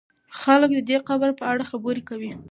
خلک د دې قبر په اړه خبرې کوي.